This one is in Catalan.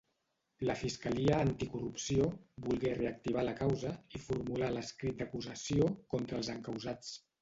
La fiscalia anticorrupció volgué reactivar la causa i formular l'escrit d'acusació contra els encausats.